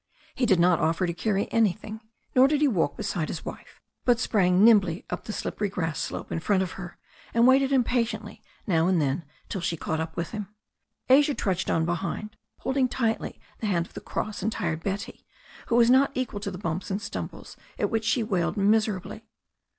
He did not offer to carry anything, nor did he walk beside his wife, but sprang nimbly up the slippery grass slope in front of her, and waited impatiently now and then till she caught him up. Asia trudged on behind, holding tightly the hand of the cross and tired Betty, who was not equal to the bumps and stumbles, at which she wailed miserably.